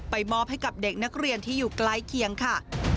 มอบให้กับเด็กนักเรียนที่อยู่ใกล้เคียงค่ะ